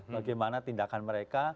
bagaimana tindakan mereka